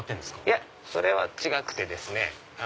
いやそれは違くてですね。